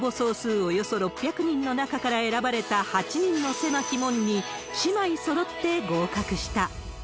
およそ６００人の中から選ばれた８人の狭き門に、姉妹そろって合格した。